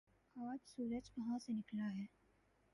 آج سورج کہاں سے نکلا ہے